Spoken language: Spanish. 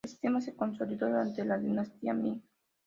El sistema se consolidó durante la dinastía Ming.